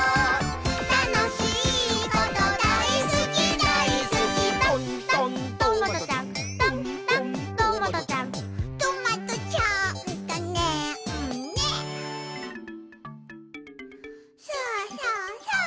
「たのしいことだいすきだいすき」「とんとんトマトちゃん」「とんとんトマトちゃん」「トマトちゃんとねんねスー・スー・スー」